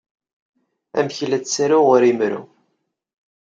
Amek ay la ttaruɣ war imru?